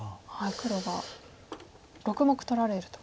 黒が６目取られると。